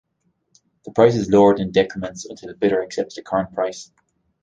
The price is lowered in decrements until a bidder accepts the current price.